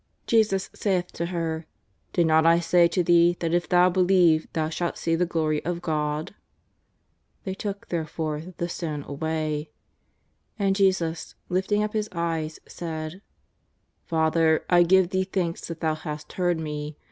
Jesus saith to her: " Did not I say to thee that if thou believe thou shalt see the glory of God ?" They took, therefore, the stone away. And Jesus, lifting up His eyes, said :^' Father, I give Thee thanks that Thou hast heard Me.